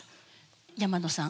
山野さん